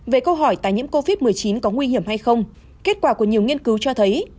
về câu hỏi tài nhiễm covid một mươi chín có nguy hiểm hay không kết quả của nhiều nghiên cứu cho thấy